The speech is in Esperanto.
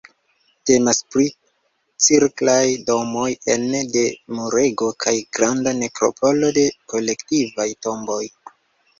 Temas pri cirklaj domoj ene de murego kaj granda nekropolo de kolektivaj tomboj.